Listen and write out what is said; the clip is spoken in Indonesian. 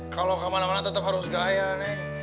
kalau kemana mana tetap harus gaya nih